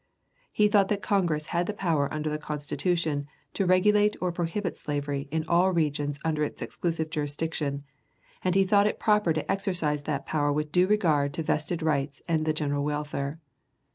He thought that Congress had the power under the Constitution to regulate or prohibit slavery in all regions under its exclusive jurisdiction, and he thought it proper to exercise that power with due regard to vested rights and the general welfare.